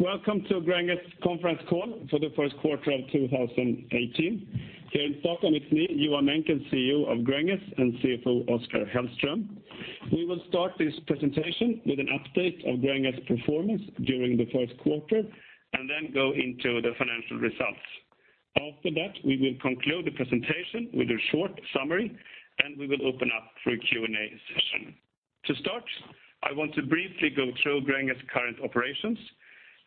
Welcome to Gränges conference call for the first quarter of 2018. Here in Stockholm, it's me, Johan Menckel, CEO of Gränges, and CFO Oskar Hellström. We will start this presentation with an update of Gränges performance during the first quarter, then go into the financial results. After that, we will conclude the presentation with a short summary, we will open up for a Q&A session. To start, I want to briefly go through Gränges' current operations.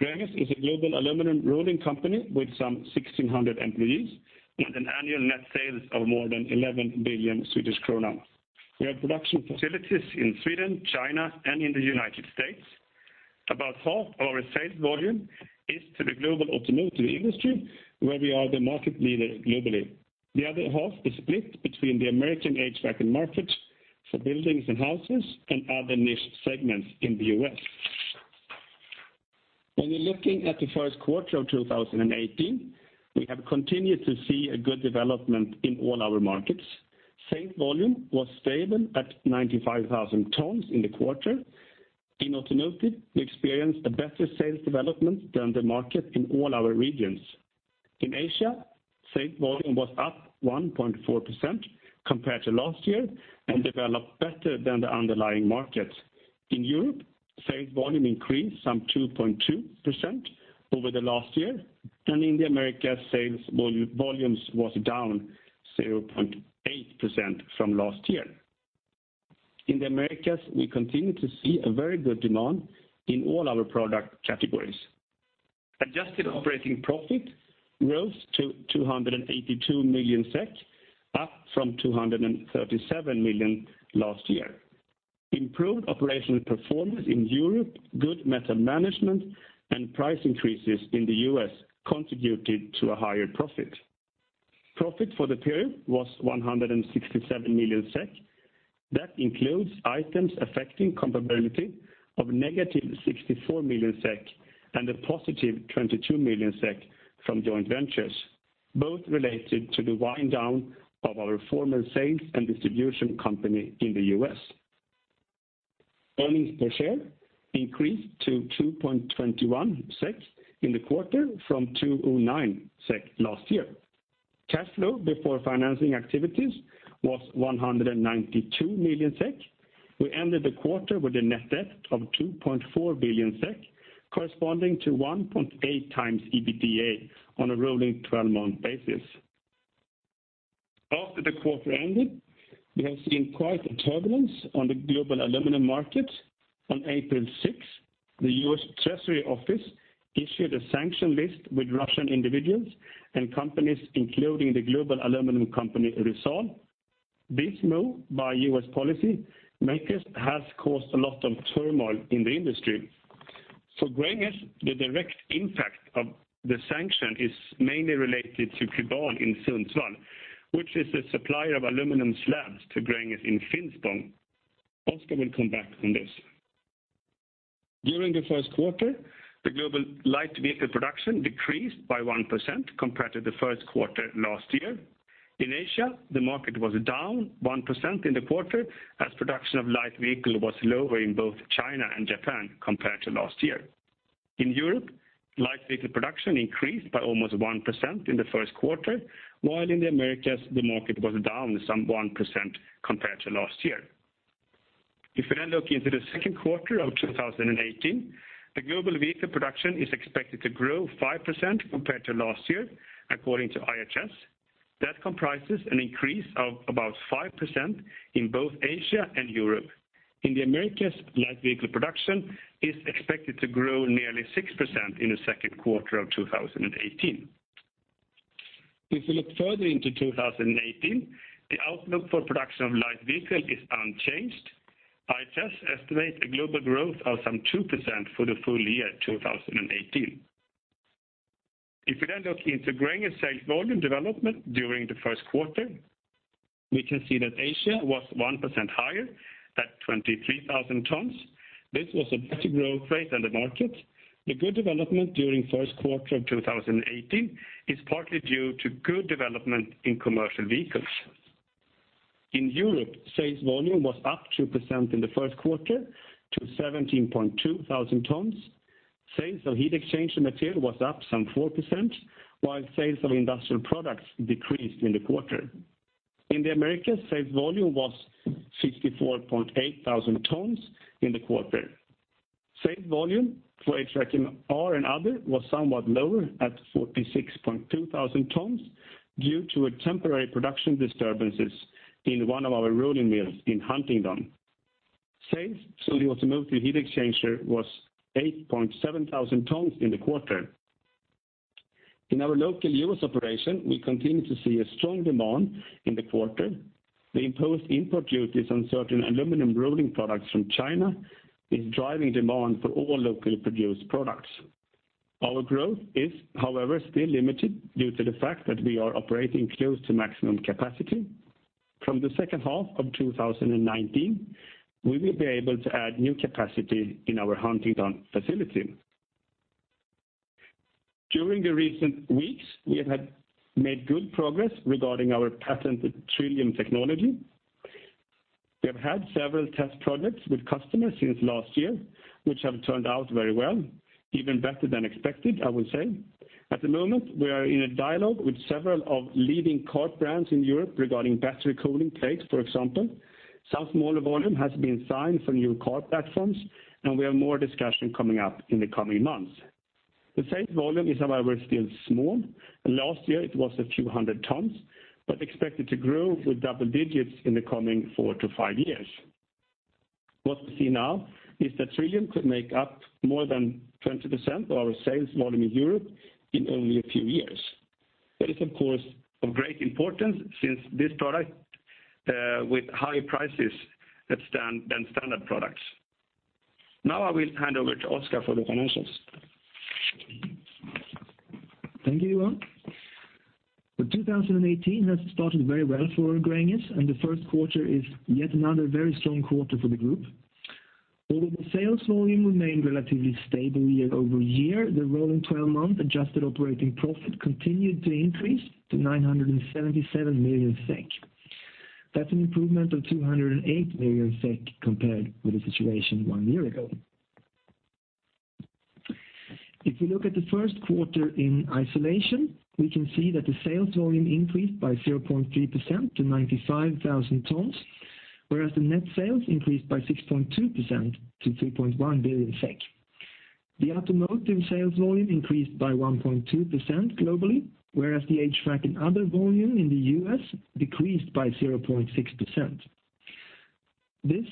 Gränges is a global aluminum rolling company with some 1,600 employees, with an annual net sales of more than 11 billion Swedish krona. We have production facilities in Sweden, China, and in the United States. About half of our sales volume is to the global automotive industry, where we are the market leader globally. The other half is split between the American HVAC market for buildings and houses, other niche segments in the U.S. When we're looking at the first quarter of 2018, we have continued to see a good development in all our markets. Sales volume was stable at 95,000 tons in the quarter. In automotive, we experienced a better sales development than the market in all our regions. In Asia, sales volume was up 1.4% compared to last year, developed better than the underlying markets. In Europe, sales volume increased some 2.2% over the last year. In the Americas, sales volumes was down 0.8% from last year. In the Americas, we continue to see a very good demand in all our product categories. Adjusted operating profit rose to 282 million SEK, up from 237 million last year. Improved operational performance in Europe, good metal management, price increases in the U.S. contributed to a higher profit. Profit for the period was 167 million SEK. That includes items affecting comparability of negative 64 million SEK and a positive 22 million SEK from joint ventures, both related to the wind down of our former sales and distribution company in the U.S. Earnings per share increased to 2.21 SEK in the quarter, from 2.09 SEK last year. Cash flow before financing activities was 192 million SEK. We ended the quarter with a net debt of 2.4 billion SEK, corresponding to 1.8 times EBITDA on a rolling 12-month basis. After the quarter ended, we have seen quite a turbulence on the global aluminum market. On April 6, the U.S. Department of the Treasury issued a sanction list with Russian individuals and companies, including the global aluminum company, Rusal. This move by U.S. policy makers has caused a lot of turmoil in the industry. For Gränges, the direct impact of the sanction is mainly related to KUBAL in Sundsvall, which is a supplier of aluminum slabs to Gränges in Finspång. Oskar will come back on this. During the first quarter, the global light vehicle production decreased by 1% compared to the first quarter last year. In Asia, the market was down 1% in the quarter, as production of light vehicle was lower in both China and Japan compared to last year. In Europe, light vehicle production increased by almost 1% in the first quarter, while in the Americas, the market was down some 1% compared to last year. If we now look into the second quarter of 2018, the global vehicle production is expected to grow 5% compared to last year, according to IHS. That comprises an increase of about 5% in both Asia and Europe. In the Americas, light vehicle production is expected to grow nearly 6% in the second quarter of 2018. If we look further into 2018, the outlook for production of light vehicle is unchanged. IHS estimate a global growth of some 2% for the full year 2018. If we then look into Gränges sales volume development during the first quarter, we can see that Asia was 1% higher, at 23,000 tons. This was a better growth rate than the market. The good development during first quarter of 2018 is partly due to good development in commercial vehicles. In Europe, sales volume was up 2% in the first quarter to 17,200 tons. Sales of heat exchange material was up some 4%, while sales of industrial products decreased in the quarter. In the Americas, sales volume was 54,800 tons in the quarter. Sales volume for HVAC&R and other was somewhat lower at 46,200 tons due to a temporary production disturbances in one of our rolling mills in Huntingdon. Sales to the automotive heat exchanger was 8,700 tons in the quarter. In our local U.S. operation, we continue to see a strong demand in the quarter. The imposed import duties on certain aluminum rolling products from China is driving demand for all locally produced products. Our growth is, however, still limited due to the fact that we are operating close to maximum capacity. From the second half of 2019, we will be able to add new capacity in our Huntingdon facility. During the recent weeks, we have made good progress regarding our patented TRILLIUM technology. We have had several test projects with customers since last year, which have turned out very well, even better than expected, I would say. At the moment, we are in a dialogue with several of leading car brands in Europe regarding battery cooling plates, for example. Some smaller volume has been signed for new car platforms, and we have more discussion coming up in the coming months. The sales volume is, however, still small. Last year it was a few hundred tons, but expected to grow with double digits in the coming four to five years. What we see now is that TRILLIUM could make up more than 20% of our sales volume in Europe in only a few years. That is, of course, of great importance since this product with high prices than standard products. Now I will hand over to Oskar for the financials. Thank you, Johan. 2018 has started very well for Gränges, and the first quarter is yet another very strong quarter for the group. Although the sales volume remained relatively stable year-over-year, the rolling 12-month adjusted operating profit continued to increase to 977 million SEK. That's an improvement of 208 million SEK compared with the situation one year ago. If we look at the first quarter in isolation, we can see that the sales volume increased by 0.3% to 95,000 tons, whereas the net sales increased by 6.2% to 3.1 billion SEK. The automotive sales volume increased by 1.2% globally, whereas the HVAC and other volume in the U.S. decreased by 0.6%. This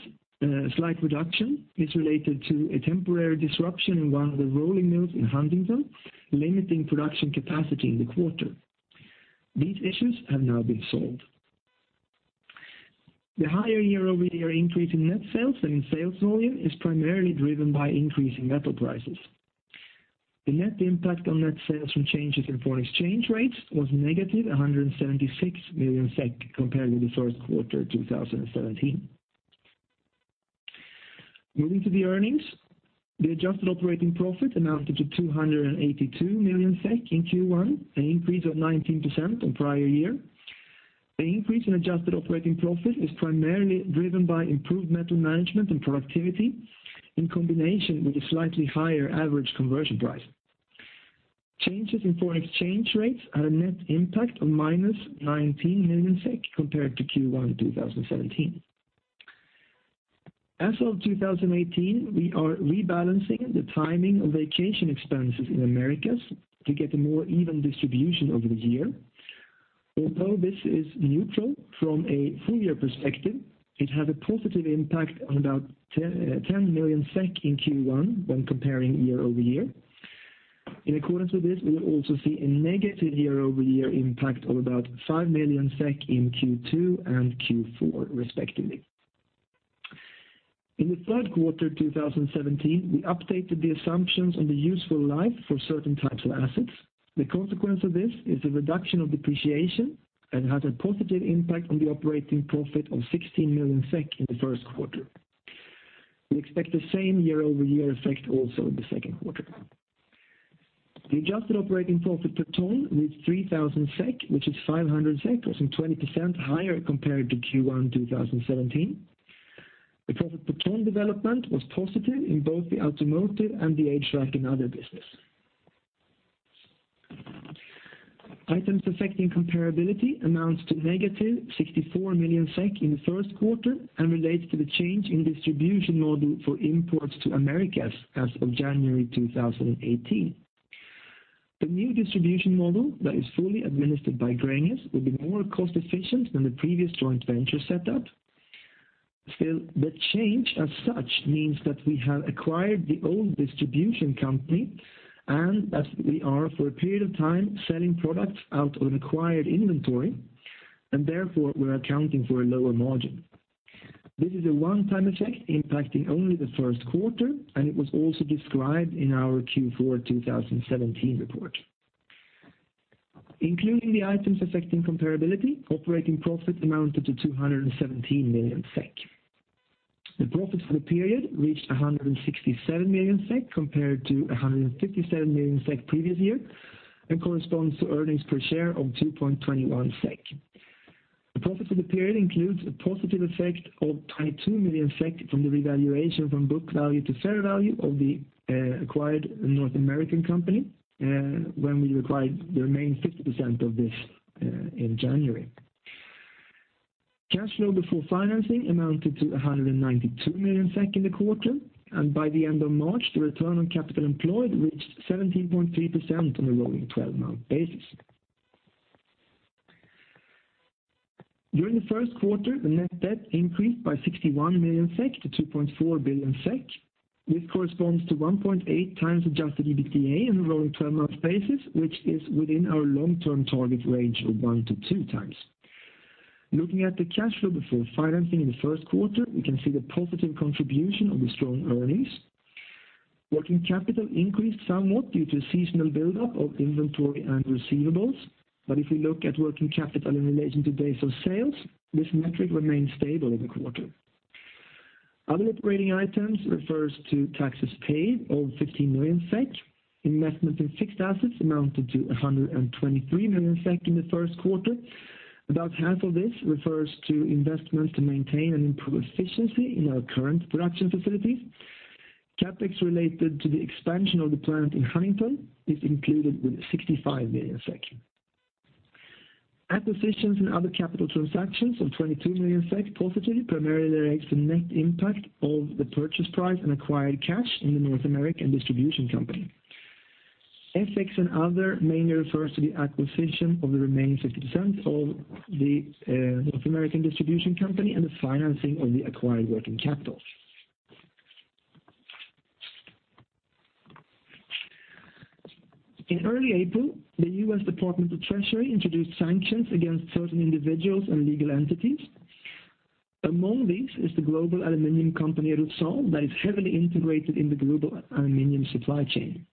slight reduction is related to a temporary disruption in one of the rolling mills in Huntingdon, limiting production capacity in the quarter. These issues have now been solved. The higher year-over-year increase in net sales and in sales volume is primarily driven by increasing metal prices. The net impact on net sales from changes in foreign exchange rates was negative 176 million SEK compared with the first quarter 2017. Moving to the earnings. The adjusted operating profit amounted to 282 million SEK in Q1, an increase of 19% on prior year. The increase in adjusted operating profit is primarily driven by improved metal management and productivity, in combination with a slightly higher average conversion price. Changes in foreign exchange rates had a net impact of -19 million SEK compared to Q1 2017. As of 2018, we are rebalancing the timing of vacation expenses in Americas to get a more even distribution over the year. Although this is neutral from a full year perspective, it had a positive impact on about 10 million SEK in Q1 when comparing year-over-year. In accordance with this, we will also see a negative year-over-year impact of about 5 million SEK in Q2 and Q4 respectively. In the third quarter 2017, we updated the assumptions on the useful life for certain types of assets. The consequence of this is the reduction of depreciation and had a positive impact on the operating profit of 16 million SEK in the first quarter. We expect the same year-over-year effect also in the second quarter. The adjusted operating profit per ton reached 3,000 SEK, which is 500 SEK or some 20% higher compared to Q1 2017. The profit per ton development was positive in both the automotive and the HVAC and other business. items affecting comparability amounts to -64 million SEK in the first quarter and relates to the change in distribution model for imports to Americas as of January 2018. The new distribution model that is fully administered by Gränges will be more cost efficient than the previous joint venture setup. Still, the change as such means that we have acquired the old distribution company, and as we are for a period of time selling products out of acquired inventory, and therefore we're accounting for a lower margin. This is a one-time effect impacting only the first quarter, and it was also described in our Q4 2017 report. Including the items affecting comparability, operating profit amounted to 217 million SEK. The profit for the period reached 167 million SEK compared to 157 million SEK previous year, and corresponds to earnings per share of 2.21 SEK. The profit for the period includes a positive effect of 2 million SEK from the revaluation from book value to fair value of the acquired North American company, when we acquired the remaining 50% of this in January. Cash flow before financing amounted to 192 million SEK in the quarter, and by the end of March, the return on capital employed reached 17.3% on a rolling 12-month basis. During the first quarter, the net debt increased by 61 million SEK to 2.4 billion SEK. This corresponds to 1.8 times adjusted EBITDA on a rolling 12-month basis, which is within our long-term target range of one to two times. Looking at the cash flow before financing in the first quarter, we can see the positive contribution of the strong earnings. Working capital increased somewhat due to seasonal buildup of inventory and receivables. If we look at working capital in relation to base of sales, this metric remained stable in the quarter. Other operating items refers to taxes paid of 15 million SEK. Investment in fixed assets amounted to 123 million SEK in the first quarter. About half of this refers to investments to maintain and improve efficiency in our current production facilities. CapEx related to the expansion of the plant in Huntingdon is included with 65 million SEK. Acquisitions and other capital transactions of 22 million SEK positive primarily relates to net impact of the purchase price and acquired cash in the North American distribution company. FX and other mainly refers to the acquisition of the remaining 50% of the North American distribution company and the financing of the acquired working capital. In early April, the U.S. Department of the Treasury introduced sanctions against certain individuals and legal entities. Among these is the global aluminum company, Rusal, that is heavily integrated in the global aluminum supply chain.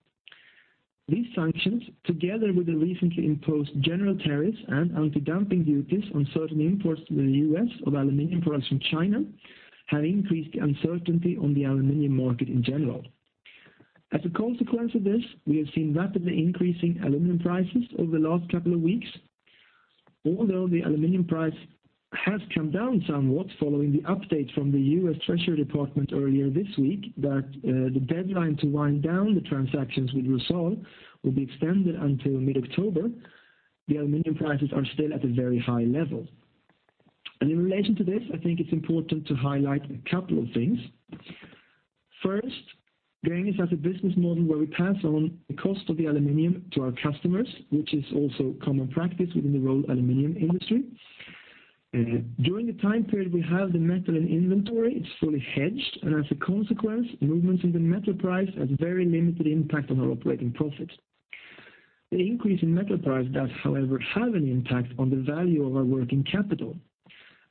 These sanctions, together with the recently imposed general tariffs and anti-dumping duties on certain imports to the U.S. of aluminum products from China, have increased the uncertainty on the aluminum market in general. As a consequence of this, we have seen rapidly increasing aluminum prices over the last couple of weeks. Although the aluminum price has come down somewhat following the update from the U.S. Department of the Treasury earlier this week that the deadline to wind down the transactions with Rusal will be extended until mid-October, the aluminum prices are still at a very high level. In relation to this, I think it's important to highlight a couple of things. First, Gränges has a business model where we pass on the cost of the aluminum to our customers, which is also common practice within the rolled aluminum industry. During the time period we have the metal in inventory, it's fully hedged, and as a consequence, movements in the metal price has very limited impact on our operating profit. The increase in metal price does, however, have an impact on the value of our working capital.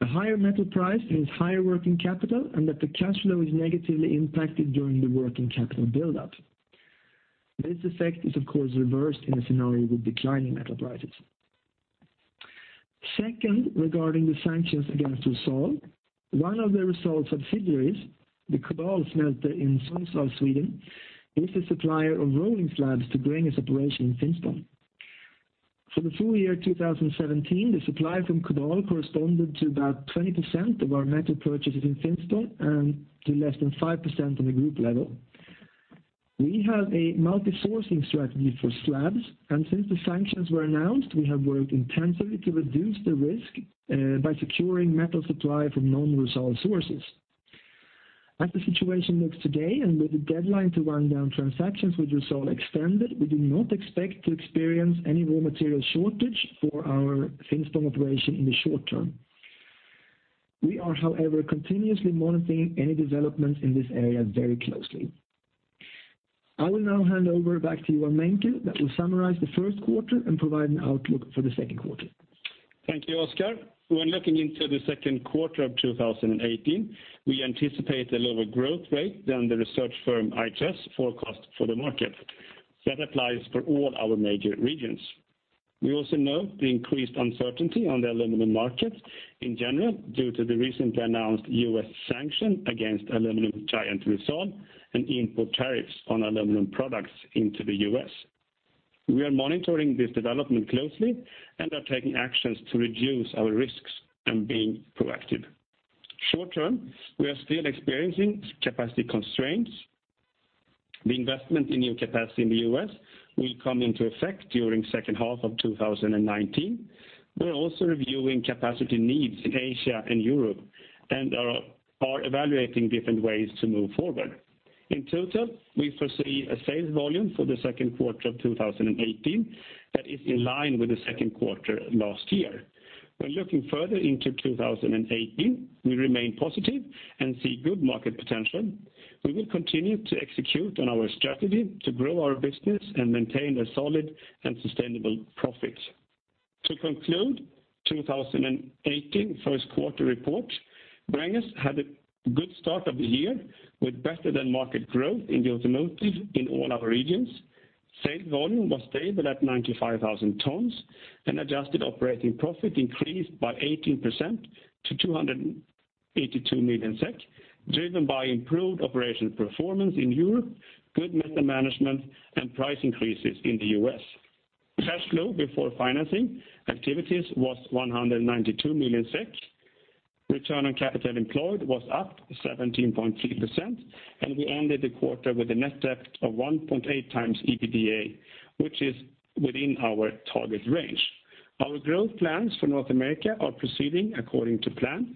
A higher metal price means higher working capital and that the cash flow is negatively impacted during the working capital buildup. This effect is, of course, reversed in a scenario with declining metal prices. Second, regarding the sanctions against Rusal, one of the results of subsidiaries, the KUBAL smelter in Sundsvall, Sweden, is a supplier of rolling slabs to Gränges operation in Finspång. For the full year 2017, the supply from KUBAL corresponded to about 20% of our metal purchases in Finspång and to less than 5% on a group level. We have a multi-sourcing strategy for slabs, and since the sanctions were announced, we have worked intensively to reduce the risk by securing metal supply from non-Rusal sources. As the situation looks today, and with the deadline to wind down transactions with Rusal extended, we do not expect to experience any raw material shortage for our Finspång operation in the short term. We are, however, continuously monitoring any developments in this area very closely. I will now hand over back to Johan Menckel, that will summarize the first quarter and provide an outlook for the second quarter. Thank you, Oskar. When looking into the second quarter of 2018, we anticipate a lower growth rate than the research firm IHS forecast for the market. That applies for all our major regions. We also note the increased uncertainty on the aluminum market in general, due to the recently announced U.S. sanction against aluminum giant Rusal, and import tariffs on aluminum products into the U.S. We are monitoring this development closely and are taking actions to reduce our risks and being proactive. Short term, we are still experiencing capacity constraints. The investment in new capacity in the U.S. will come into effect during second half of 2019. We're also reviewing capacity needs in Asia and Europe, and are evaluating different ways to move forward. In total, we foresee a sales volume for the second quarter of 2018 that is in line with the second quarter last year. When looking further into 2018, we remain positive and see good market potential. We will continue to execute on our strategy to grow our business and maintain a solid and sustainable profit. To conclude 2018 first quarter report, Gränges had a good start of the year with better than market growth in the automotive in all our regions. Sales volume was stable at 95,000 tons, and adjusted operating profit increased by 18% to 282 million SEK, driven by improved operational performance in Europe, good metal management, and price increases in the U.S. Cash flow before financing activities was 192 million SEK. Return on capital employed was up 17.3%, and we ended the quarter with a net debt of 1.8 times EBITDA, which is within our target range. Our growth plans for North America are proceeding according to plan.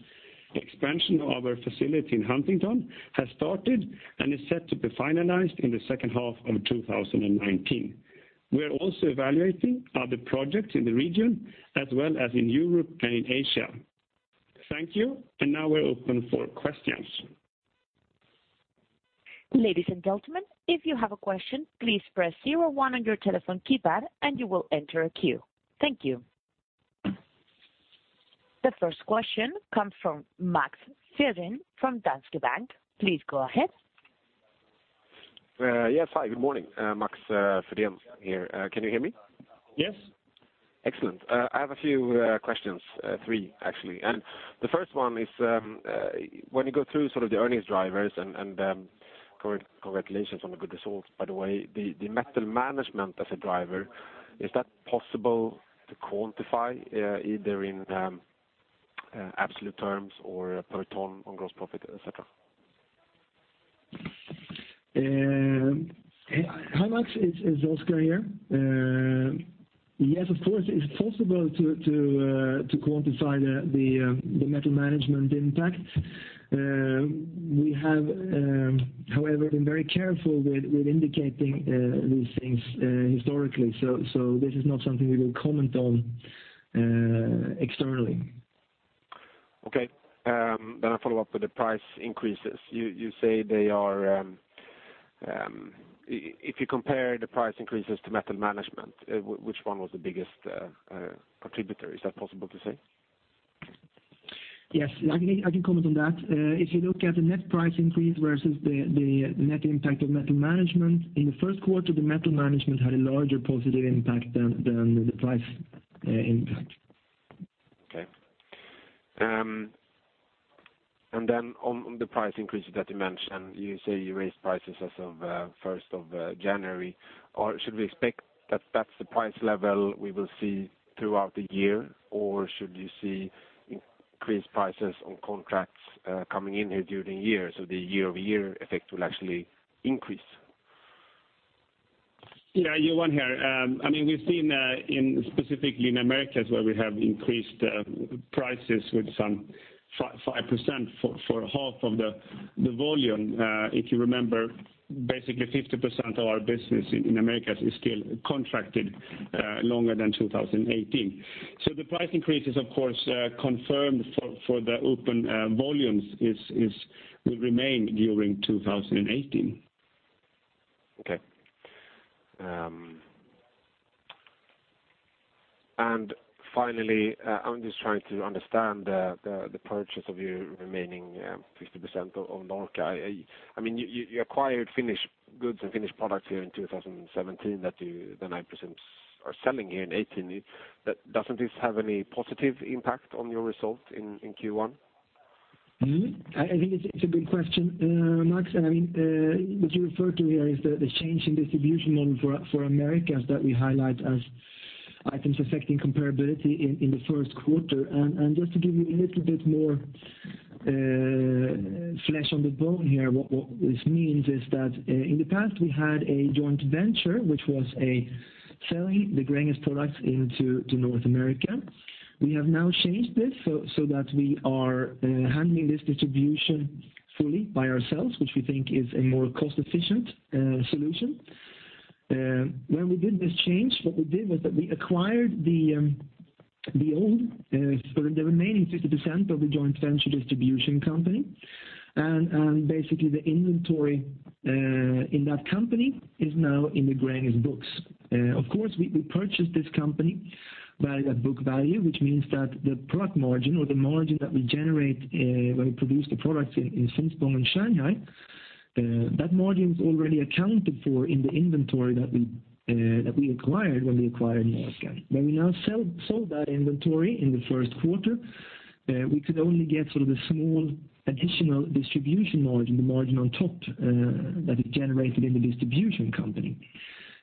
Expansion of our facility in Huntingdon has started and is set to be finalized in the second half of 2019. We are also evaluating other projects in the region, as well as in Europe and in Asia. Thank you, and now we're open for questions. Ladies and gentlemen, if you have a question, please press 01 on your telephone keypad and you will enter a queue. Thank you. The first question comes from Max Fridén from Danske Bank. Please go ahead Yes. Hi, good morning. Max Fridén here. Can you hear me? Yes. Excellent. I have a few questions. Three, actually. The first one is, when you go through the earnings drivers, and congratulations on the good results, by the way, the metal management as a driver, is that possible to quantify, either in absolute terms or per ton on gross profit, et cetera? Hi, Max. It's Oskar here. Yes, of course, it's possible to quantify the metal management impact. We have, however, been very careful with indicating these things historically. This is not something we will comment on externally. Okay. I follow up with the price increases. If you compare the price increases to metal management, which one was the biggest contributor? Is that possible to say? Yes, I can comment on that. If you look at the net price increase versus the net impact of metal management, in the first quarter, the metal management had a larger positive impact than the price impact. Okay. On the price increases that you mentioned, you say you raised prices as of 1st of January. Should we expect that that's the price level we will see throughout the year? Or should you see increased prices on contracts coming in here during the year, so the year-over-year effect will actually increase? Yeah, Johan here. We've seen specifically in Americas, where we have increased prices with some 5% for half of the volume. If you remember, basically 50% of our business in Americas is still contracted longer than 2018. The price increases, of course, confirmed for the open volumes will remain during 2018. Okay. Finally, I'm just trying to understand the purchase of your remaining 50% of Norca. You acquired finished goods and finished products here in 2017 that the 9% are selling here in 2018. Doesn't this have any positive impact on your result in Q1? I think it's a good question, Max. What you refer to here is the change in distribution for Americas that we highlight as items affecting comparability in the first quarter. Just to give you a little bit more flesh on the bone here, what this means is that in the past we had a joint venture, which was selling the Gränges products into North America. We have now changed this so that we are handling this distribution fully by ourselves, which we think is a more cost-efficient solution. When we did this change, what we did was that we acquired the remaining 50% of the joint venture distribution company. Basically, the inventory in that company is now in the Gränges books. Of course, we purchased this company by that book value, which means that the product margin or the margin that we generate when we produce the products in Sundsvall and Shanghai, that margin was already accounted for in the inventory that we acquired when we acquired Norca. When we now sold that inventory in the first quarter, we could only get the small additional distribution margin, the margin on top, that is generated in the distribution company.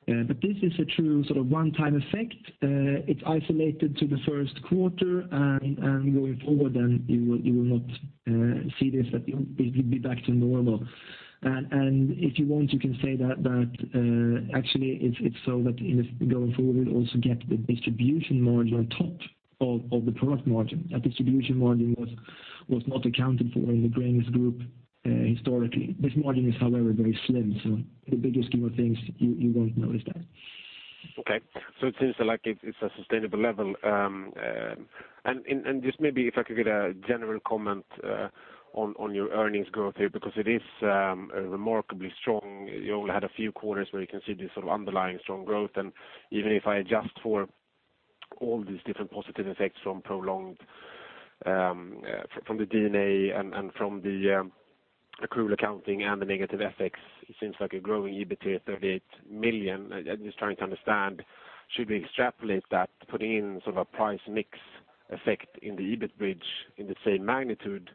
This is a true one-time effect. It's isolated to the first quarter, going forward, you will not see this. It will be back to normal. If you want, you can say that actually, it's so that going forward, we also get the distribution margin on top of the product margin. That distribution margin was not accounted for in the Gränges group historically. This margin is, however, very slim. In the bigger scheme of things, you won't notice that. It seems like it's a sustainable level. Just maybe if I could get a general comment on your earnings growth here, because it is remarkably strong. You only had a few quarters where you can see this underlying strong growth, and even if I adjust for all these different positive effects from prolonged from the D&A and from the accrued accounting and the negative FX, it seems like a growing EBITA 38 million. I'm just trying to understand, should we extrapolate that, putting in a price mix effect in the EBIT bridge in the same magnitude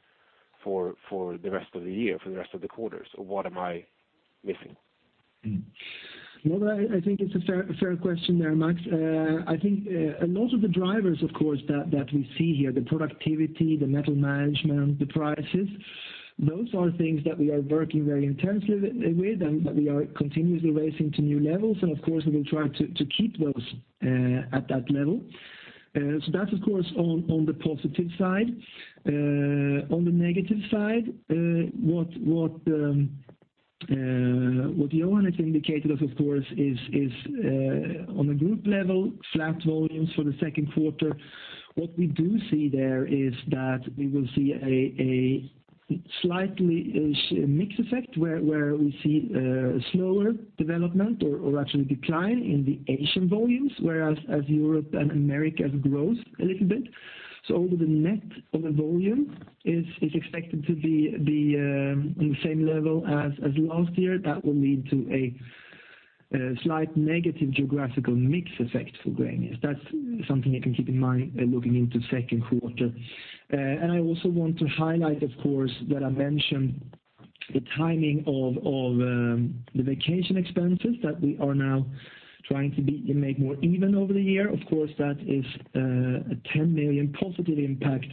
for the rest of the year, for the rest of the quarters? What am I missing? No, I think it's a fair question there, Max. I think a lot of the drivers, of course, that we see here, the productivity, the metal management, the prices, those are things that we are working very intensely with and that we are continuously raising to new levels. Of course, we will try to keep those at that level. That's of course on the positive side. On the negative side, what Johan has indicated of course, is on a group level, flat volumes for the second quarter. What we do see there is that we will see a slightly mix effect where we see a slower development or actually decline in the Asian volumes, whereas Europe and Americas grows a little bit. Although the net of the volume is expected to be on the same level as last year, that will lead to a slight negative geographical mix effect for Gränges. That's something you can keep in mind looking into second quarter. I also want to highlight, of course, that I mentioned the timing of the vacation expenses that we are now trying to make more even over the year. Of course, that is a 10 million positive impact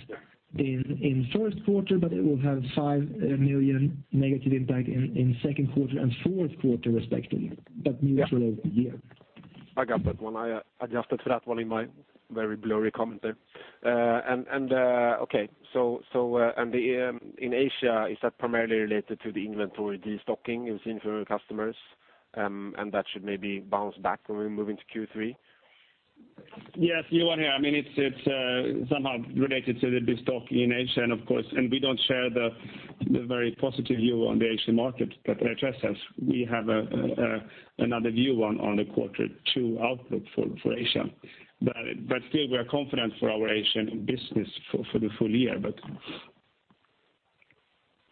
in first quarter, but it will have 5 million negative impact in second quarter and fourth quarter respectively, but neutral over the year. I got that one. I adjusted for that one in my very blurry commentary. In Asia, is that primarily related to the inventory destocking you've seen from your customers? That should maybe bounce back when we move into Q3? Yes, Johan here. It is somehow related to the destock in Asia. Of course, we don't share the very positive view on the Asian market that IHS has. We have another view on the quarter two outlook for Asia. Still, we are confident for our Asian business for the full year.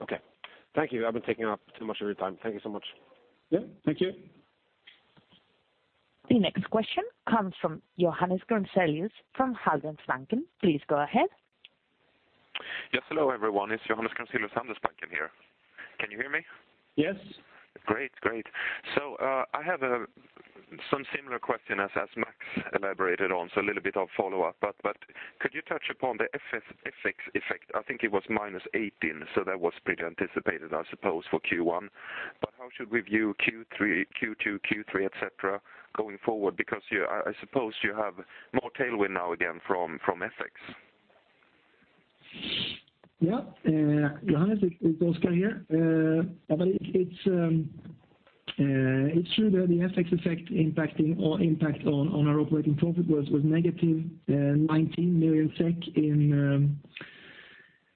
Okay. Thank you. I've been taking up too much of your time. Thank you so much. Yeah. Thank you. The next question comes from Johannes Grunselius from Handelsbanken. Please go ahead. Yes, hello, everyone. It's Johannes Grunselius, Handelsbanken here. Can you hear me? Yes. Great. I have some similar question as Max elaborated on, a little bit of follow-up. Could you touch upon the FX effect? I think it was -18, that was pretty anticipated, I suppose, for Q1. How should we view Q2, Q3, et cetera, going forward? I suppose you have more tailwind now again from FX. Yeah. Johannes, it's Oskar here. It's true that the FX effect impact on our operating profit was negative 19 million SEK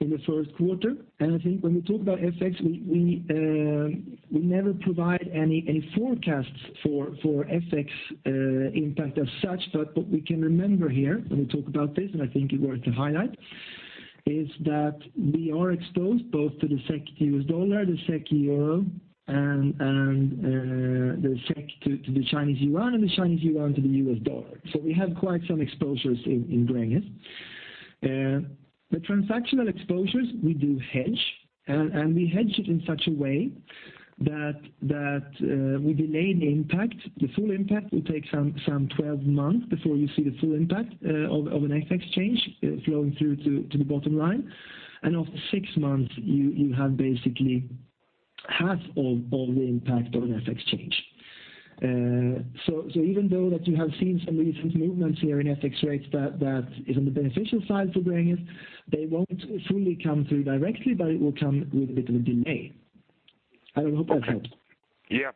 in the first quarter. I think when we talk about FX, we never provide any forecasts for FX impact as such. What we can remember here when we talk about this, and I think it's worth to highlight, is that we are exposed both to the SEK to U.S. dollar, the SEK to euro, and the SEK to the Chinese yuan, and the Chinese yuan to the U.S. dollar. We have quite some exposures in Gränges. The transactional exposures we do hedge, and we hedge it in such a way that we delay the impact. The full impact will take some 12 months before you see the full impact of an FX change flowing through to the bottom line. After six months, you have basically half of the impact of an FX change. Even though that you have seen some recent movements here in FX rates that is on the beneficial side for Gränges, they won't fully come through directly, but it will come with a bit of a delay. I don't know. Hope that helps. Yeah.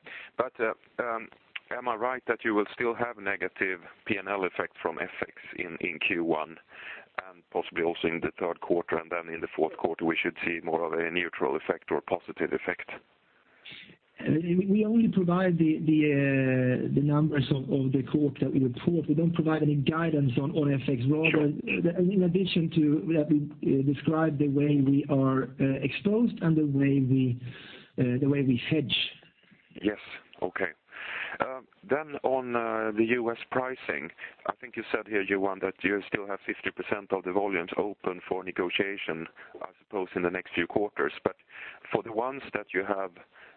Am I right that you will still have negative P&L effect from FX in Q1 and possibly also in the third quarter, and in the fourth quarter, we should see more of a neutral effect or a positive effect? We only provide the numbers of the quarter we report. We don't provide any guidance on FX. Sure. In addition to that, we describe the way we are exposed and the way we hedge. Yes. Okay. On the U.S. pricing, I think you said here, Johan, that you still have 50% of the volumes open for negotiation, I suppose, in the next few quarters. For the ones that you have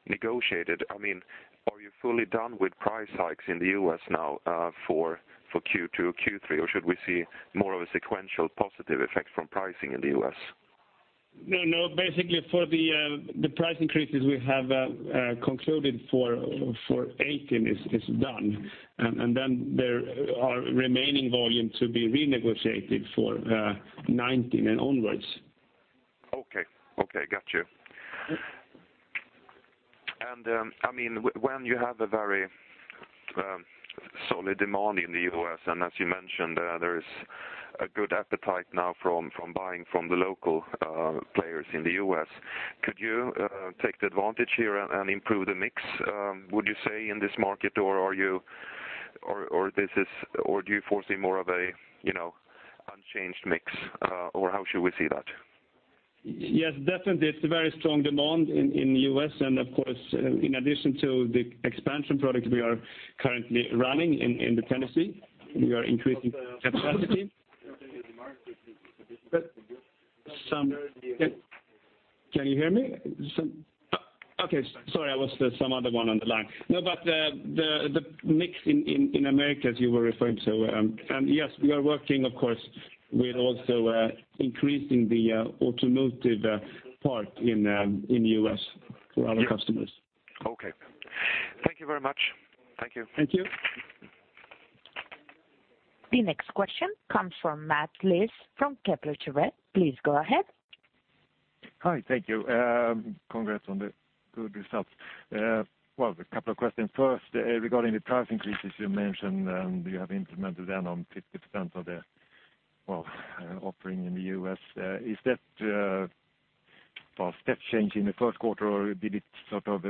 negotiated, are you fully done with price hikes in the U.S. now for Q2, Q3, or should we see more of a sequential positive effect from pricing in the U.S.? No. Basically, for the price increases we have concluded for 2018 is done. There are remaining volume to be renegotiated for 2019 and onwards. Okay. Got you. When you have a very solid demand in the U.S., and as you mentioned, there is a good appetite now from buying from the local players in the U.S., could you take the advantage here and improve the mix, would you say, in this market? Do you foresee more of a unchanged mix? How should we see that? Yes, definitely, it's a very strong demand in the U.S. and of course, in addition to the expansion product we are currently running in Tennessee, we are increasing capacity. Can you hear me? Okay. Sorry, it was some other one on the line. The mix in America, as you were referring to, we are working, of course, with also increasing the automotive part in the U.S. for our customers. Okay. Thank you very much. Thank you. Thank you. The next question comes from Mats Liss from Kepler Cheuvreux. Please go ahead. Hi. Thank you. Congrats on the good results. Well, a couple of questions. Regarding the price increases you mentioned, you have implemented them on 50% of the offering in the U.S. Is that Fast step change in the first quarter, or did it sort of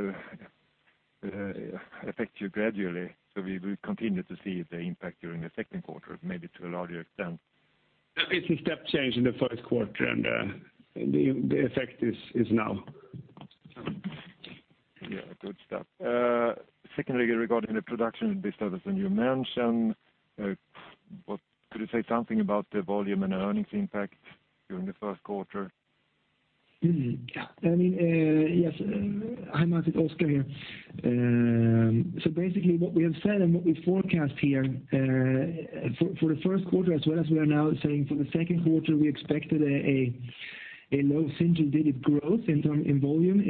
affect you gradually? We will continue to see the impact during the second quarter, maybe to a larger extent. It's a step change in the first quarter. The effect is now. Yeah, good stuff. Secondly, regarding the production disturbance that you mentioned, could you say something about the volume and the earnings impact during the first quarter? Yes. Hi, Mats, Oskar here. Basically what we have said and what we forecast here for the first quarter, as well as we are now saying for the second quarter, we expected a low single-digit growth in volume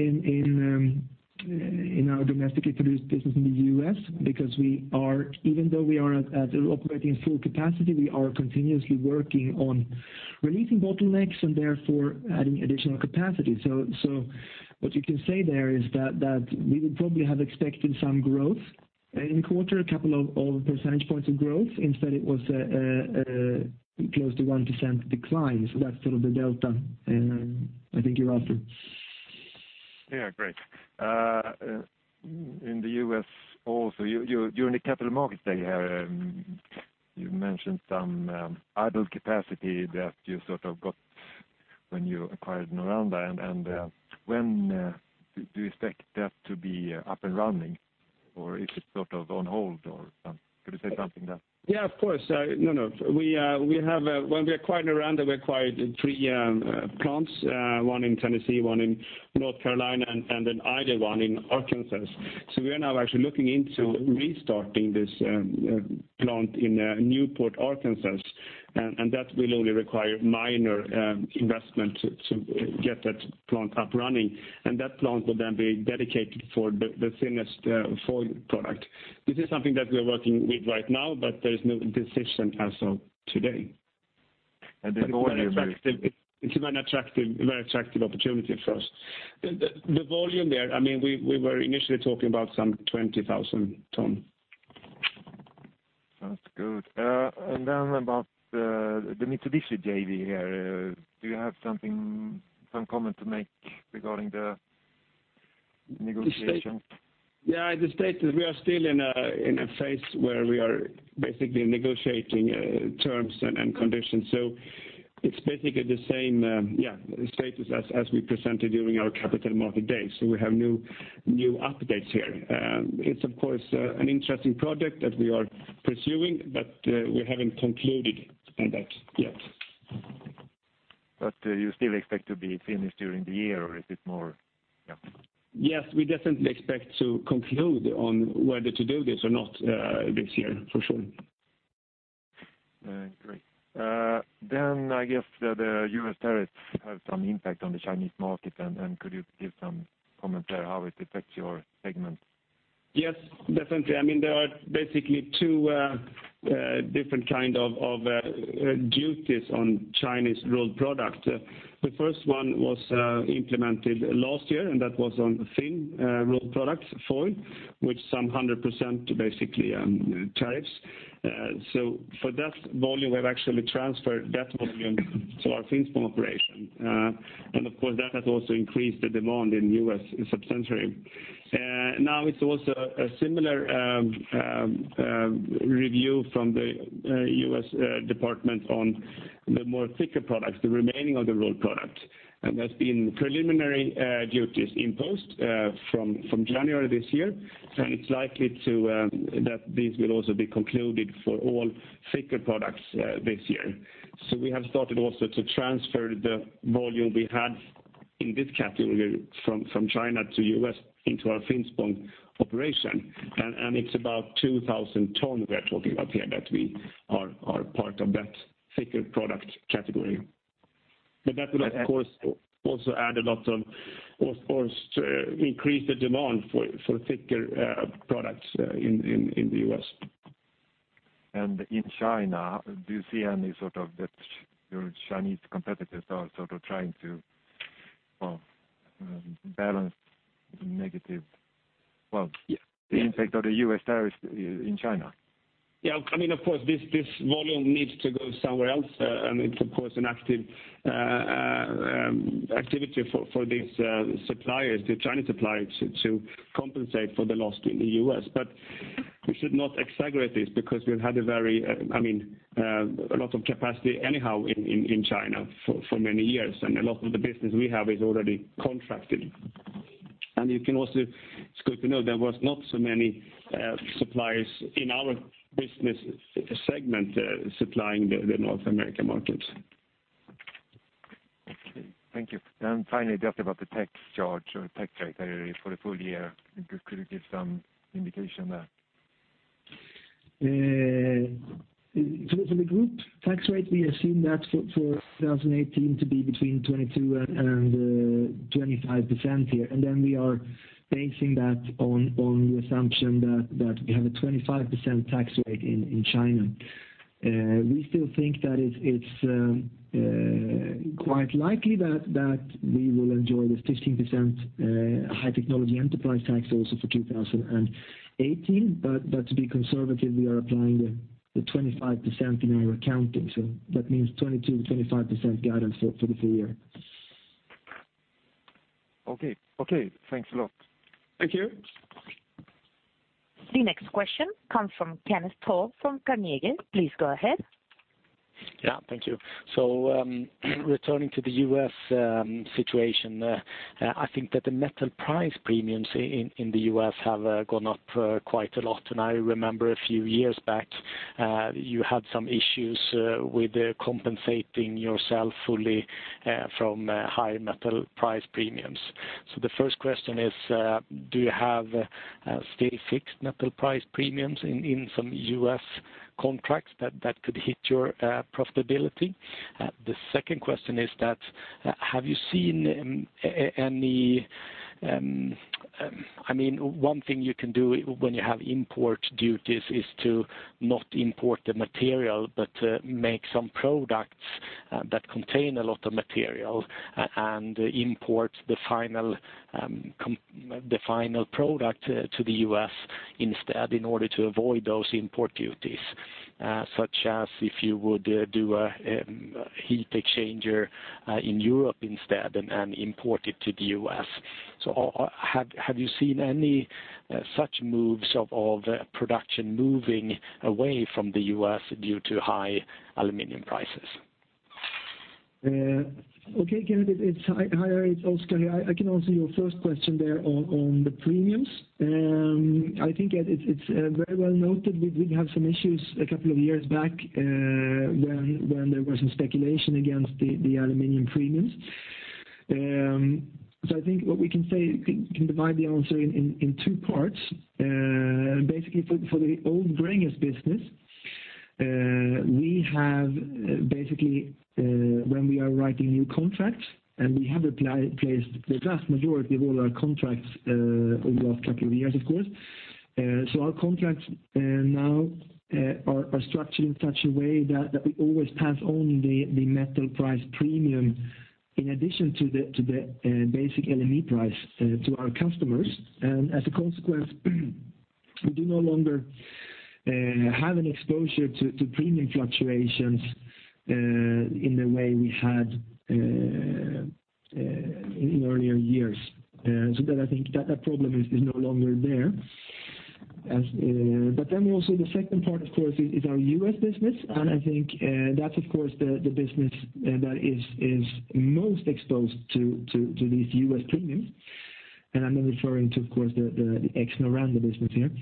in our domestically produced business in the U.S. because even though we are operating at full capacity, we are continuously working on releasing bottlenecks and therefore adding additional capacity. What you can say there is that we would probably have expected some growth in the quarter, a couple of percentage points of growth. Instead, it was a close to 1% decline. That's sort of the delta I think you're after. Yeah. Great. In the U.S. also, during the capital markets day here, you mentioned some idle capacity that you got when you acquired Noranda. When do you expect that to be up and running? Is it on hold, or could you say something there? Yeah, of course. No. When we acquired Noranda, we acquired three plants, one in Tennessee, one in North Carolina, and an idle one in Arkansas. We are now actually looking into restarting this plant in Newport, Arkansas, and that will only require minor investment to get that plant up and running, and that plant will then be dedicated for the thinnest foil product. This is something that we are working with right now, there is no decision as of today. The volume is- It's a very attractive opportunity for us. The volume there, we were initially talking about some 20,000 tons. Sounds good. Then about the Mitsubishi JV here. Do you have some comment to make regarding the negotiations? Yeah. The status, we are still in a phase where we are basically negotiating terms and conditions. It's basically the same status as we presented during our capital market day. We have no new updates here. It's of course an interesting project that we are pursuing, but we haven't concluded on that yet. You still expect to be finished during the year, or is it more Yeah? Yes, we definitely expect to conclude on whether to do this or not this year, for sure. Great. I guess the U.S. tariffs have some impact on the Chinese market. Could you give some comment there, how it affects your segment? Yes, definitely. There are basically two different kind of duties on Chinese rolled product. The first one was implemented last year, and that was on thin rolled products, foil, with some 100% basically tariffs. For that volume, we have actually transferred that volume to our Finspång operation. Of course, that has also increased the demand in U.S. substantially. Now it's also a similar review from the U.S. Department on the more thicker products, the remaining of the rolled product, and there's been preliminary duties imposed from January this year. It's likely that this will also be concluded for all thicker products this year. We have started also to transfer the volume we had in this category from China to U.S. into our Finspång operation, and it's about 2,000 ton we are talking about here that we are part of that thicker product category. That will, of course, also increase the demand for thicker products in the U.S. In China, do you see any that your Chinese competitors are sort of trying to balance the negative impact of the U.S. tariffs in China? Yeah. Of course, this volume needs to go somewhere else, and it's of course an activity for these suppliers, the Chinese suppliers, to compensate for the loss in the U.S. We should not exaggerate this because we've had a lot of capacity anyhow in China for many years, and a lot of the business we have is already contracted. It's good to know there was not so many suppliers in our business segment supplying the North American markets. Okay. Thank you. Finally, just about the tax charge or tax rate for the full year, could you give some indication there? For the group tax rate, we assume that for 2018 to be between 22%-25% here. We are basing that on the assumption that we have a 25% tax rate in China. We still think that it's quite likely that we will enjoy this 15% High and New Technology Enterprise tax also for 2018. To be conservative, we are applying the 25% in our accounting. That means 22%-25% guidance for the full year. Okay. Thanks a lot. Thank you. The next question comes from Kenneth Toll from Carnegie. Please go ahead. Thank you. Returning to the U.S. situation, I think that the metal price premiums in the U.S. have gone up quite a lot. I remember a few years back, you had some issues with compensating yourself fully from high metal price premiums. The first question is, do you have still fixed metal price premiums in some U.S. contracts that could hit your profitability? The second question is: have you seen any One thing you can do when you have import duties is to not import the material, but make some products that contain a lot of material and import the final product to the U.S. instead, in order to avoid those import duties. Such as if you would do a heat exchanger in Europe instead and import it to the U.S. Have you seen any such moves of all the production moving away from the U.S. due to high aluminum prices? Okay, Kenneth, hi. It's Oskar here. I can answer your first question there on the premiums. I think it's very well noted. We did have some issues a couple of years back, when there was some speculation against the aluminum premiums. I think what we can say, we can divide the answer in two parts. Basically, for the old Gränges business, we have basically, when we are writing new contracts, we have replaced the vast majority of all our contracts over the last couple of years, of course. Our contracts now are structured in such a way that we always pass on the metal price premium, in addition to the basic LME price to our customers. As a consequence, we do no longer have an exposure to premium fluctuations in the way we had in earlier years. That I think that problem is no longer there. Also the second part, of course, is our U.S. business. I think that's of course the business that is most exposed to these U.S. premiums. I'm then referring to, of course, the ex-Noranda business here.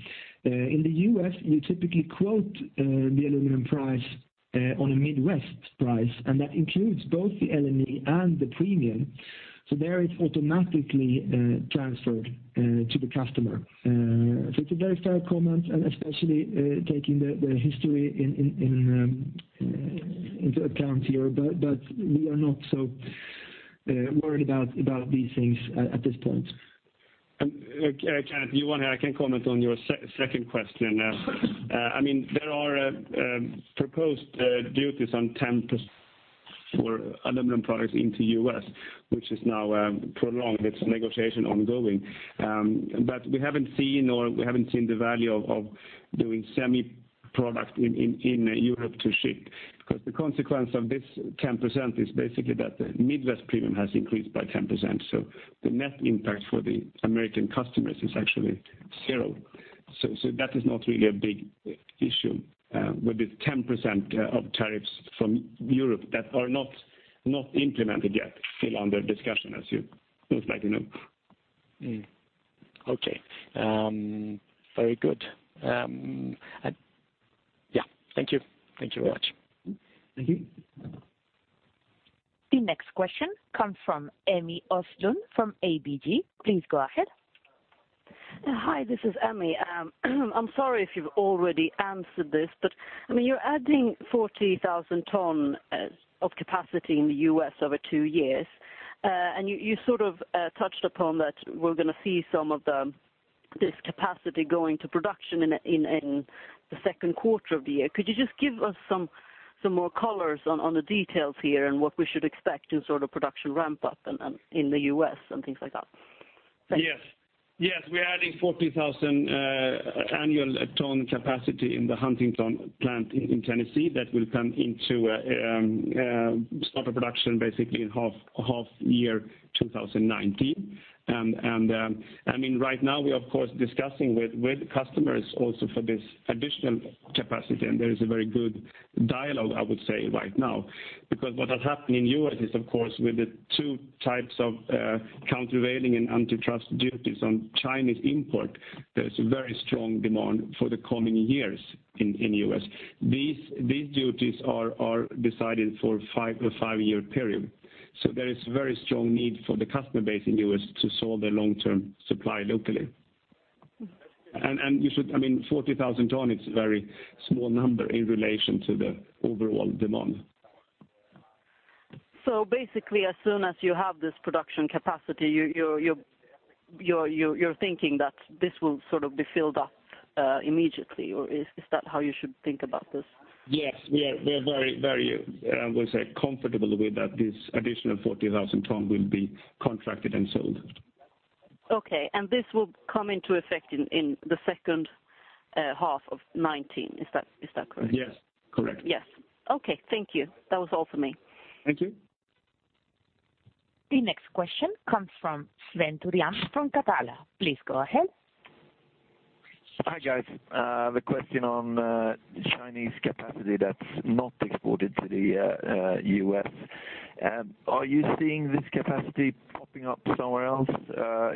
In the U.S., you typically quote the aluminum price on a Midwest price, that includes both the LME and the premium. There it's automatically transferred to the customer. It's a very fair comment, especially taking the history into account here. We are not so worried about these things at this point. Kenneth, if you want, I can comment on your second question. There are proposed duties on 10% for aluminum products into U.S., which is now prolonged. It's negotiation ongoing. We haven't seen the value of doing semi-product in Europe to ship, because the Midwest premium has increased by 10%. The net impact for the American customers is actually zero. That is not really a big issue with this 10% of tariffs from Europe that are not implemented yet, still under discussion as you most likely know. Okay. Very good. Yeah. Thank you. Thank you very much. Thank you. The next question comes from Emmy Östlund from ABG. Please go ahead. Hi, this is Emmy Östlund. I'm sorry if you've already answered this, you're adding 40,000 tons of capacity in the U.S. over two years. You sort of touched upon that we're going to see some of this capacity going to production in the second quarter of the year. Could you just give us some more colors on the details here and what we should expect in sort of production ramp up and in the U.S. and things like that? Thank you. Yes. We are adding 40,000 annual tons capacity in the Huntingdon plant in Tennessee that will come into start of production basically in half year 2019. Right now we are of course discussing with customers also for this additional capacity, and there is a very good dialogue, I would say right now. Because what has happened in U.S. is of course with the 2 types of countervailing and anti-dumping duties on Chinese import, there is a very strong demand for the coming years in U.S. These duties are decided for a five-year period. There is very strong need for the customer base in U.S. to solve their long term supply locally. You should, 40,000 tons, it's a very small number in relation to the overall demand. Basically as soon as you have this production capacity, you're thinking that this will sort of be filled up immediately or is that how you should think about this? Yes. We are very, I would say, comfortable with that this additional 40,000 tons will be contracted and sold. Okay, this will come into effect in the second half of 2019. Is that correct? Yes, correct. Yes. Okay. Thank you. That was all for me. Thank you. The next question comes from Sven Turyhan from Catella. Please go ahead. Hi, guys. The question on Chinese capacity that is not exported to the U.S., are you seeing this capacity popping up somewhere else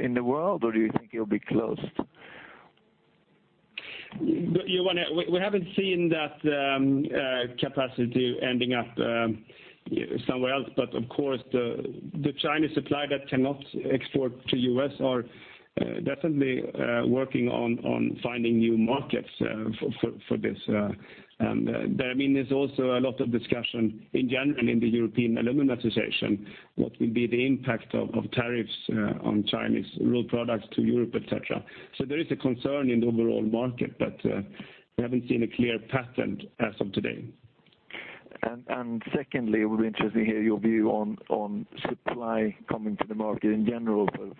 in the world, or do you think it will be closed? Johan, we have not seen that capacity ending up somewhere else. Of course, the Chinese supply that cannot export to U.S. are definitely working on finding new markets for this. There is also a lot of discussion in general in the European Aluminium Association, what will be the impact of tariffs on Chinese raw products to Europe, et cetera. There is a concern in the overall market, but we have not seen a clear pattern as of today. Secondly, it would be interesting to hear your view on supply coming to the market in general for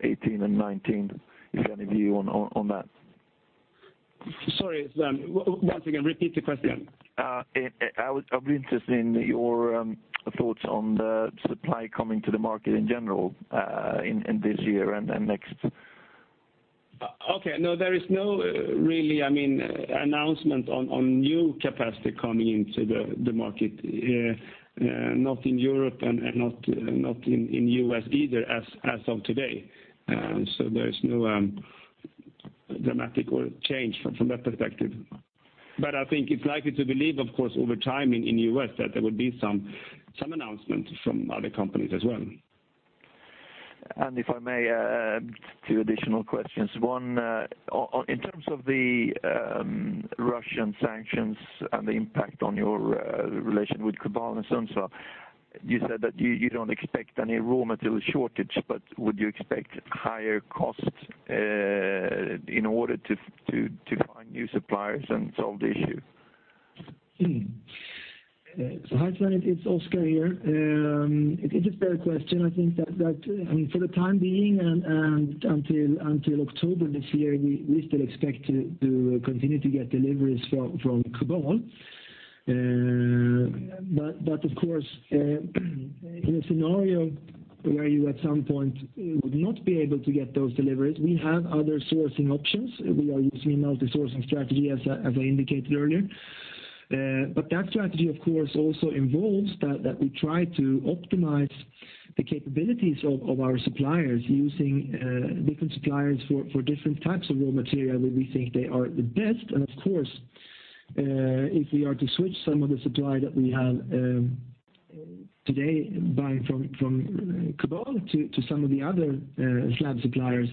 2018 and 2019, if you have any view on that. Sorry, Sven. Once again, repeat the question. I would be interested in your thoughts on the supply coming to the market in general in this year and next. Okay. No, there is no really announcement on new capacity coming into the market. Not in Europe and not in the U.S. either as of today. There is no dramatic change from that perspective. I think it's likely to believe, of course, over time in the U.S. that there will be some announcements from other companies as well. If I may, two additional questions. One, in terms of the Russian sanctions and the impact on your relation with KUBAL and Sundsvall, you said that you don't expect any raw material shortage, but would you expect higher costs in order to find new suppliers and solve the issue? Hi, Sven. It's Oskar here. It is a fair question. I think that for the time being and until October this year, we still expect to continue to get deliveries from KUBAL. Of course, in a scenario where you at some point would not be able to get those deliveries, we have other sourcing options. We are using a multi-sourcing strategy as I indicated earlier. That strategy, of course, also involves that we try to optimize the capabilities of our suppliers using different suppliers for different types of raw material where we think they are the best, and of course, if we are to switch some of the supply that we have today buying from KUBAL to some of the other slab suppliers,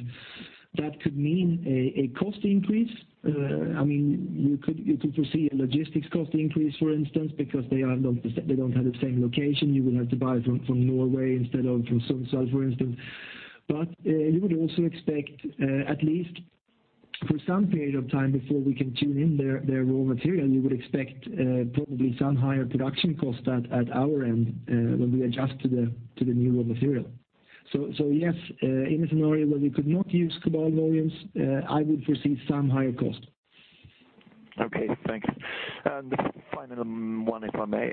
that could mean a cost increase. You could foresee a logistics cost increase, for instance, because they don't have the same location. You would have to buy from Norway instead of from Sundsvall, for instance. You would also expect, at least for some period of time before we can tune in their raw material, you would expect probably some higher production cost at our end when we adjust to the new raw material. Yes, in a scenario where we could not use KUBAL volumes, I would foresee some higher cost. Okay, thanks. The final one, if I may.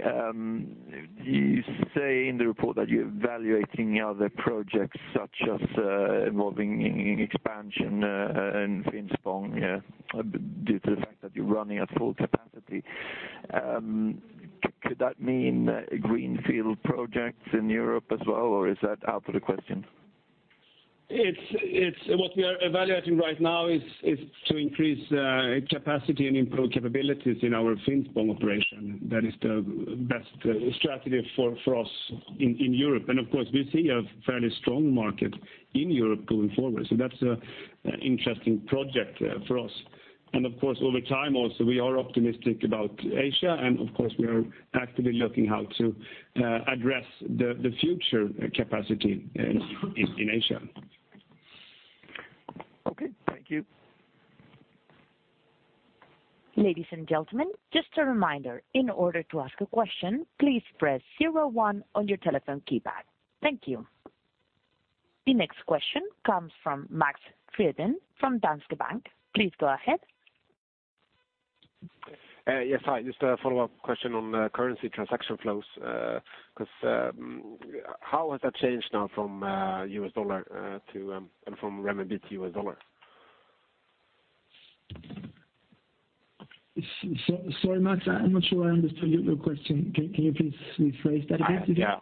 You say in the report that you're evaluating other projects such as involving expansion in Finspång due to the fact that you're running at full capacity. Could that mean greenfield projects in Europe as well, or is that out of the question? What we are evaluating right now is to increase capacity and improve capabilities in our Finspång operation. That is the best strategy for us in Europe. Of course, we see a fairly strong market in Europe going forward. That's an interesting project for us. Of course, over time also, we are optimistic about Asia, and of course, we are actively looking how to address the future capacity in Asia. Okay. Thank you. Ladies and gentlemen, just a reminder, in order to ask a question, please press 01 on your telephone keypad. Thank you. The next question comes from Max Fridén from Danske Bank. Please go ahead. Yes, hi. Just a follow-up question on currency transaction flows, how has that changed now from U.S. dollar and from renminbi to U.S. dollar? Sorry, Max, I'm not sure I understood your question. Can you please rephrase that again,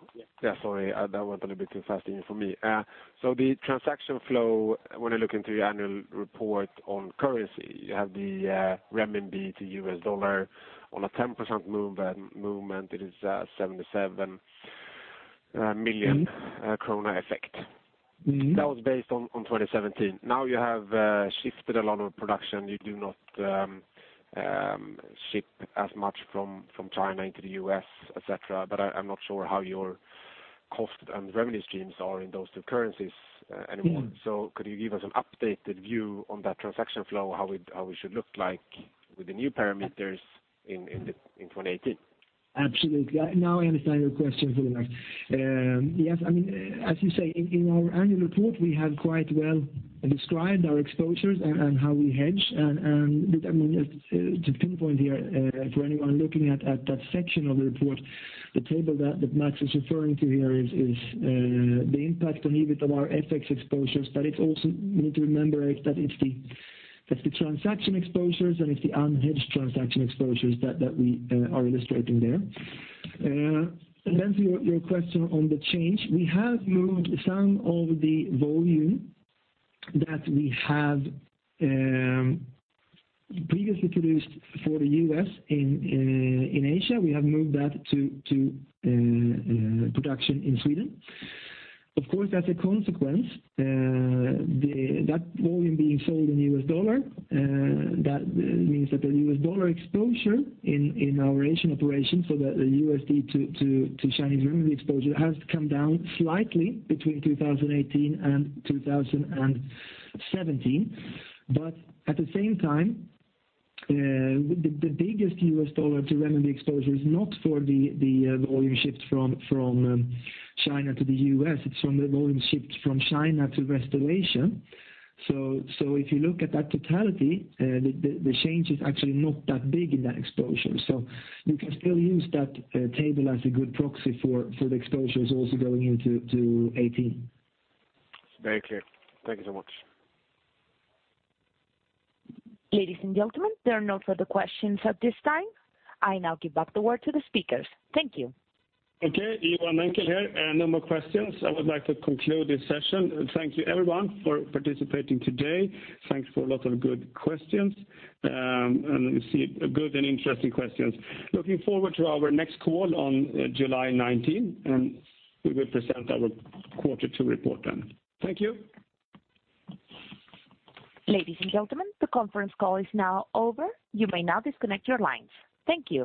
please? Yes. Sorry, that went a little bit too fast even for me. The transaction flow, when I look into your annual report on currency, you have the renminbi to U.S. dollar on a 10% movement, it is 77 million effect. That was based on 2017. Now you have shifted a lot of production. You do not ship as much from China into the U.S., etc. I'm not sure how your cost and revenue streams are in those two currencies anymore. Could you give us an updated view on that transaction flow, how it should look like with the new parameters in 2018? Absolutely. Now I understand your question fully, Max. Yes, as you say, in our annual report, we have quite well described our exposures and how we hedge. To pinpoint here for anyone looking at that section of the report, the table that Max is referring to here is the impact on EBIT of our FX exposures. Also you need to remember that it's the transaction exposures and it's the unhedged transaction exposures that we are illustrating there. To your question on the change, we have moved some of the volume that we have previously produced for the U.S. in Asia. We have moved that to production in Sweden. Of course, as a consequence, that volume being sold in U.S. dollar, that means that the U.S. dollar exposure in our Asian operation, the USD to Chinese renminbi exposure has come down slightly between 2018 and 2017. At the same time, the biggest U.S. dollar to renminbi exposure is not for the volume shift from China to the U.S., it's from the volume shift from China to rest of Asia. If you look at that totality, the change is actually not that big in that exposure. You can still use that table as a good proxy for the exposures also going into 2018. Very clear. Thank you so much. Ladies and gentlemen, there are no further questions at this time. I now give back the word to the speakers. Thank you. Okay. Johan Menckel here. No more questions. I would like to conclude this session. Thank you everyone for participating today. Thanks for a lot of good questions, and good and interesting questions. Looking forward to our next call on July 19, and we will present our Quarter 2 report then. Thank you. Ladies and gentlemen, the conference call is now over. You may now disconnect your lines. Thank you.